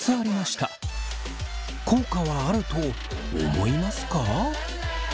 効果はあると思いますか？